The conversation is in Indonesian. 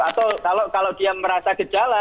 atau kalau dia merasa gejala